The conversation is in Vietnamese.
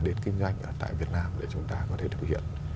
đến kinh doanh ở tại việt nam để chúng ta có thể thực hiện